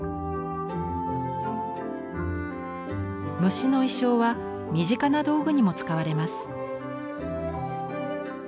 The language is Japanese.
虫の意匠は身近な道具にも使われます。